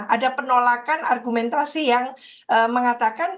ada penolakan argumentasi yang mengatakan